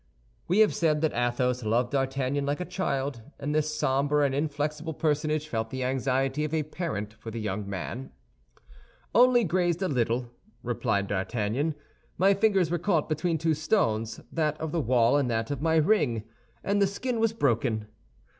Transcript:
We have said that Athos loved D'Artagnan like a child, and this somber and inflexible personage felt the anxiety of a parent for the young man. "Only grazed a little," replied D'Artagnan; "my fingers were caught between two stones—that of the wall and that of my ring—and the skin was broken."